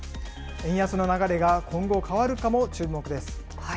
円安の流れが今後、変わるかも注目です。